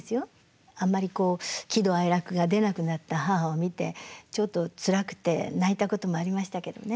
あんまりこう喜怒哀楽が出なくなった母を見てちょっとつらくて泣いたこともありましたけどね。